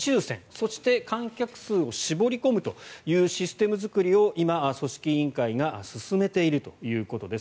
そして観客数を絞り込むというシステム作りを今、組織委員会が進めているということです。